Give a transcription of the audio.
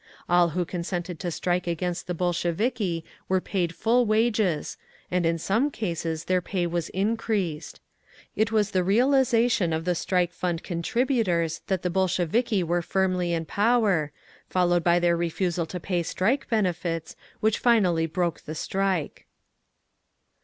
All who consented to strike against the Bolsheviki were paid full wages, and in some cases their pay was increased. It was the realisation of the strike fund contributors that the Bolsheviki were firmly in power, followed by their refusal to pay strike benefits, which finally broke the strike.